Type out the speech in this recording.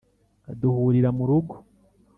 duhurira mu rugo